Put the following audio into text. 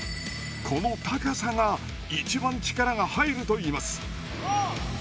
この高さが一番力が入るといいます。